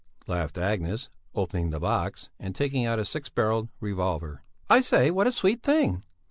laughed Agnes, opening the box and taking out a six barrelled revolver. "I say, what a sweet thing!